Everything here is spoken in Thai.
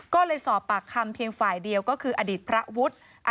ก็เลยสอบปากคำเพียงฝ่ายเดียวก็คืออดีตพระวุฒิ